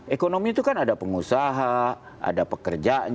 ekonomi itu kan ada pengusaha ada pekerjaan